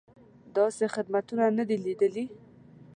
داسې خدمتونه نه دي لیدلي.